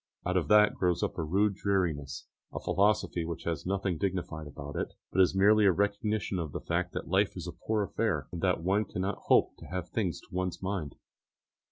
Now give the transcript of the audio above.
Out of that grows up a rude dreariness, a philosophy which has nothing dignified about it, but is merely a recognition of the fact that life is a poor affair, and that one cannot hope to have things to one's mind.